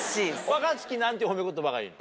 若槻何て褒め言葉がいいの？